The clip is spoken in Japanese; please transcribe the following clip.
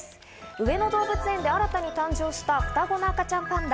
上野動物園で新たに誕生した双子の赤ちゃんパンダ。